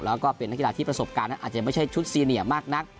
แล้วก็เป็นนักกีฬาที่ประสบการณ์นั้นอาจจะไม่ใช่ชุดซีเนียมากนัก